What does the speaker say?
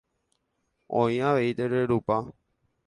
Oĩ avei terere rupa